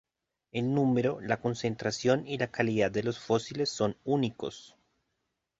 El número, la concentración y la calidad de los fósiles son únicos.